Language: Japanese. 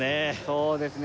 そうですね